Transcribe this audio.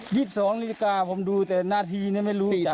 ๒๒นาฬิกาผมดูแต่นาทีเนี่ยไม่รู้